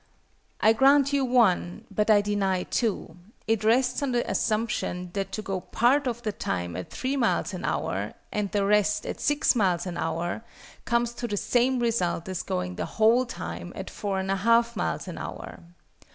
I grant you (i), but I deny (ii): it rests on the assumption that to go part of the time at 3 miles an hour, and the rest at 6 miles an hour, comes to the same result as going the whole time at 4 1/2 miles an hour.